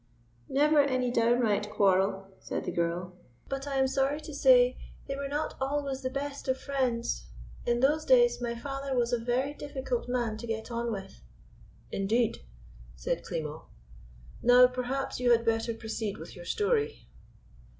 "Never any downright quarrel," said the girl. "But I am sorry to say they were not always the best of friends. In those days my father was a very difficult man to get on with." "Indeed?" said Klimo. "Now, perhaps you had better proceed with your story."